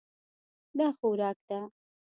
دا خوراک ده.